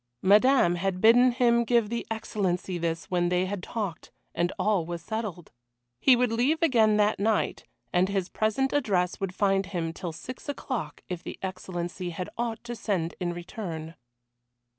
Madame had bidden him give the Excellency this when they had talked and all was settled. He would leave again that night, and his present address would find him till six o'clock if the Excellency had aught to send in return.